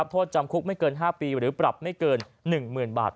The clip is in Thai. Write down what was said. โทษจำคุกไม่เกิน๕ปีหรือปรับไม่เกิน๑๐๐๐บาท